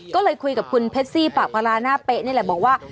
ก็เลยคุยกับคุณเพชซี่ปากพลาหน้าเป๊ะนี่แหละบอกว่า